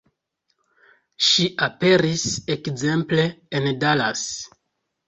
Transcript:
Ŝi aperis ekzemple en Dallas.